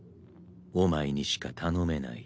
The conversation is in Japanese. お前にしか頼めない」